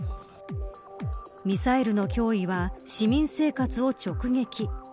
ミサイルの脅威は市民生活を直撃。